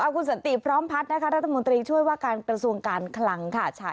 คุณสันติพร้อมพัฒน์นะคะรัฐมนตรีช่วยว่าการกระทรวงการคลังค่ะ